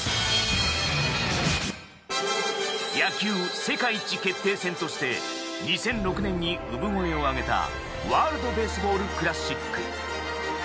野球世界一決定戦として２００６年に産声を上げたワールド・ベースボール・クラシック。